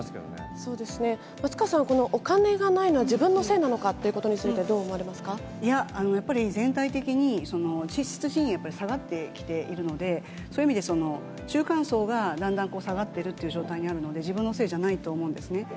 そうですね、松川さんは、このお金がないのは自分のせいなのかということについて、どう思いや、やっぱり全体的に、実質賃金下がってきているので、そういう意味で、中間層がだんだん下がっているという状態にあるので、自分のせいじゃないと思うんですよね。